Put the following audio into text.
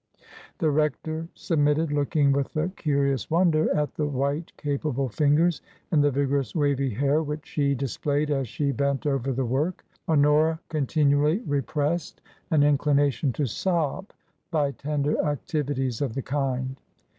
The rector submitted, looking with a curious wonder at the white capable fingers, and the vigorous wavy hair which she displayed as she bent over the work. Honora continually repressed an inclination to sob by tender activities of the kind.